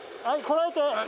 はい。